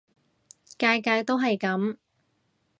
屆屆都係噉